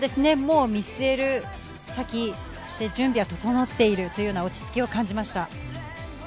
もう見据える先、そして準備は整っているという落ち着きを感じました。